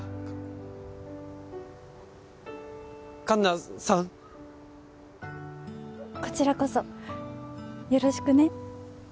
こちらこそよろしくね。